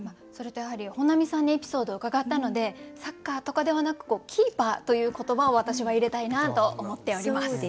それとやはり本並さんにエピソードを伺ったので「サッカー」とかではなく「キーパー」という言葉を私は入れたいなと思っております。